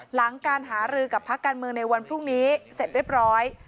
หลังการหารือกับพักการเมืองในวันพรุ่งนี้เสร็จเรียบร้อย